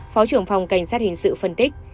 phó trưởng phòng cảnh sát hình sự phân tích